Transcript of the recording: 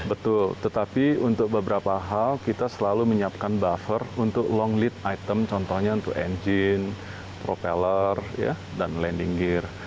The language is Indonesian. betul tetapi untuk beberapa hal kita selalu menyiapkan buffer untuk long lead item contohnya untuk engine propeller dan landing gear